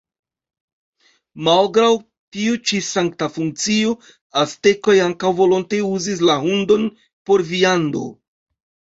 Malgraŭ tiu ĉi sankta funkcio, aztekoj ankaŭ volonte uzis la hundon por viando.